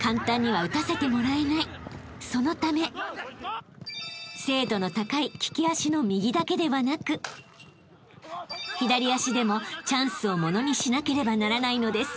［そのため精度の高い利き足の右だけではなく左足でもチャンスをものにしなければならないのです］